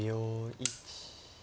１。